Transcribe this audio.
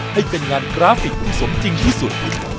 ให้เป็นงานกราฟิกที่สมจริงที่สุด